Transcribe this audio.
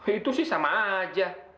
itu sih sama saja